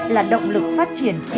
là động lực phát triển kinh tế xã hội